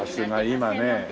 今ね